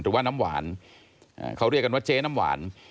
หรือว่าน้ำหวานเขาเรียกกันว่าเจ๊น้ำหวาน